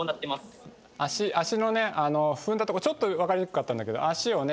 足のね踏んだとこちょっと分かりにくかったんだけど足をね